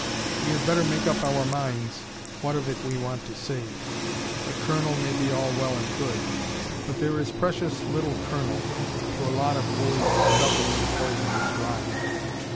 We had better make up our minds what of it we want to save. The kernel may be all well and good. But there is precious little kernel, to a lot of woolly stuffing and poisonous rind.